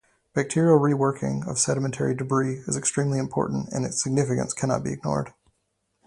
Bacterial reworking of sedimentary debris is extremely important and its significance cannot be ignored.